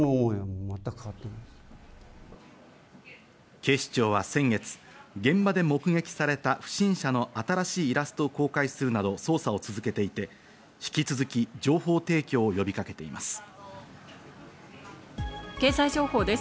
警視庁は先月、現場で目撃された不審者の新しいイラストを公開するなど捜査を続けていて、引き続き情報提供を呼びかけています。